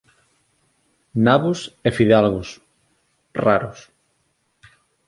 Nabos e fidalgos, raros.